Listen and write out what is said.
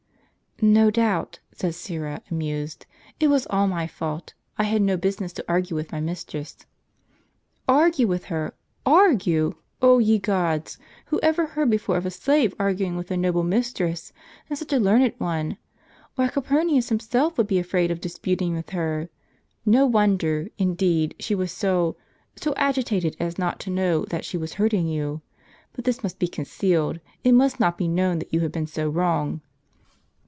"No doubt," said Syra, amused, "it was all my fault; I had no business to argue with my mistress." '' Argue with her! — argue! — 0 ye gods! who ever heard before of a slave arguing with a noble mistress, and such a learned one! Why, Calpurnius himself would be afraid of disputing with her. No wonder, indeed, she was so — so agi tated as not to know that she was hurting you. But this must be concealed ; it must not be known that you have been so wrong.